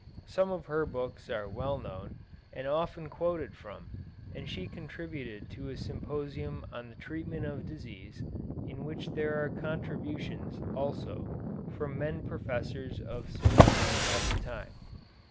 Some of her books are well known, and often quoted from, and she contributed to a symposium on the treatment of disease, in which there are contributions, also, from men professors of Salerno at the time.